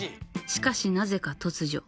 しかし、なぜか突如。